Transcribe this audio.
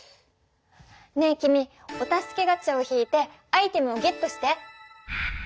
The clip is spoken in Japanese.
ねえ君お助けガチャを引いてアイテムをゲットして！